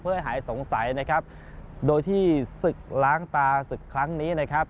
เพื่อให้หายสงสัยนะครับโดยที่ศึกล้างตาศึกครั้งนี้นะครับ